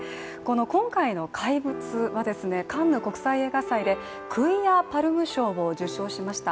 今回の「怪物」は、カンヌ国際映画祭でクィア・パルム賞を受賞しました。